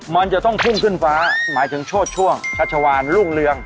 มันจะต้องพุ่งขึ้นฟ้าหมายถึงโชดช่วงชัชวานรุ่งเรือง